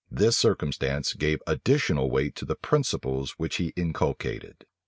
This circumstance gave additional weight to the principles which he inculcated.